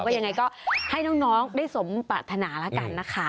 ยังไงก็ให้น้องได้สมปรารถนาแล้วกันนะคะ